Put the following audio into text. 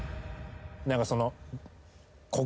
何かその。